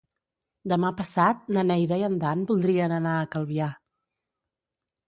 Demà passat na Neida i en Dan voldrien anar a Calvià.